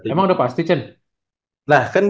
emang udah pas tchen